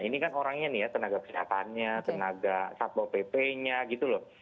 ini kan orangnya nih ya tenaga kesehatannya tenaga satpol pp nya gitu loh